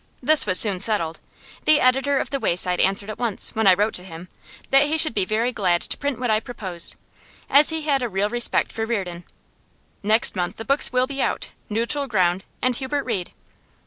This was soon settled. The editor of The Wayside answered at once, when I wrote to him, that he should be very glad to print what I proposed, as he had a real respect for Reardon. Next month the books will be out "Neutral Ground," and "Hubert Reed."